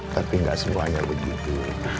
tapi ga semuanya begitu